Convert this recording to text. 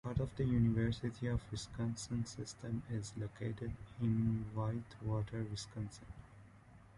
Part of the University of Wisconsin System, it is located in Whitewater, Wisconsin.